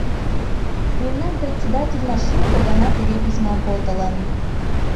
Мемнам председательна шуко гана тыге письмам колтылын.